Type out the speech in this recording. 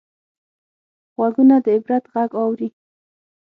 غوږونه د عبرت غږ اوري